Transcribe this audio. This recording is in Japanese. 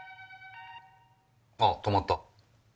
あ止まった。